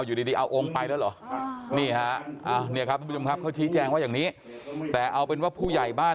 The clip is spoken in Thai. อยู่ดิที่เอาโอ้งไปแล้วหรอนี่นะครับก็ชี้แจ้งคณะอย่างนี้แต่เอาเป็นว่าผู้ใหญ่บ้าน